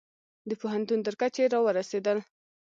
د پوهنتون تر کچې را ورسیدل